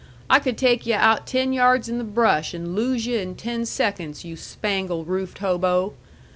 I could take yu' out ten yards in the brush and lose yu' in ten seconds, you spangle roofed hobo!